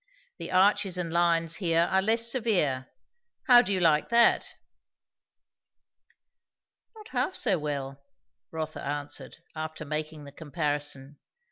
The arches and lines here are less severe. How do you like that?" "Not half so well," Rotha answered, after making the comparison.